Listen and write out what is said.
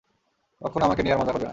কক্ষনো আমাকে নিয়ে আর মজা করবে না।